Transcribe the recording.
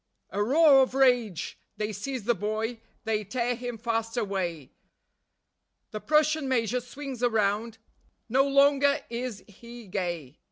A roar of rage! They seize the boy; they tear him fast away. The Prussian Major swings around; no longer is he gay.